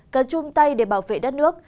cần chung tay để bảo vệ đất nước